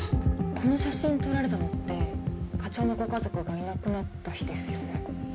この写真撮られたのって課長のご家族がいなくなった日ですよね？